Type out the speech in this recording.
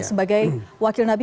sebagai wakil nabi